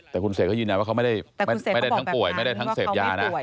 แต่คุณเสกเขายืนยันว่าเขาไม่ได้ทั้งป่วยไม่ได้ทั้งเสพยานะ